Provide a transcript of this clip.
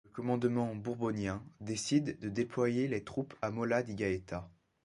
Le commandement bourbonien décide de déployer les troupes à Mola di Gaeta.